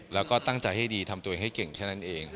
แล้วก็ตั้งใจให้ดีทำตัวเองให้เก่งแค่นั้นเอง